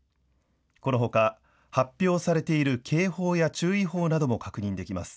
このほか発表されている警報や注意報なども確認できます。